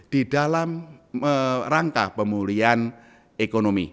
di dalam rangka pemulihan ekonomi